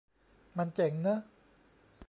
มันเจ๋งเนอะ